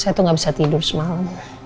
saya tuh gak bisa tidur semalam